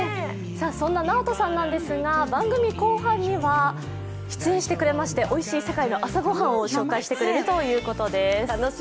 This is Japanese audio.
そんなナオトさんですが番組後半に出演してくださいましておいしい世界の朝ごはんを紹介してくれるということです。